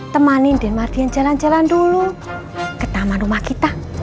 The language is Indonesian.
temanin dan mardian jalan jalan dulu ke taman rumah kita